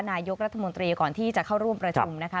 นายกรัฐมนตรีก่อนที่จะเข้าร่วมประชุมนะคะ